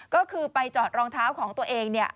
ก็คือไปจอดรองเท้าของตัวเอง